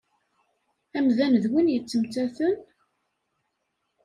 Amdan d win yettmettaten?